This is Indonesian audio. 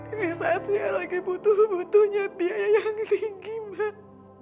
ini saatnya lagi butuh butuhnya biaya yang tinggi mas